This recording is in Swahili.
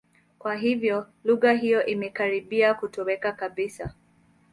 Kwa hiyo, lugha hiyo imekaribia kutoweka kabisa.